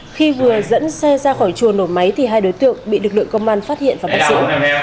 khi vừa dẫn xe ra khỏi chùa nổ máy thì hai đối tượng bị lực lượng công an phát hiện và bắt giữ